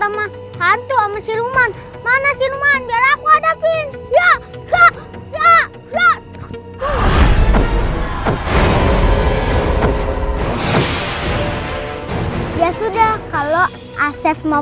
sama sama tuh masih rumah mana sih rumahnya aku ada pin ya ya ya ya sudah kalau asef mau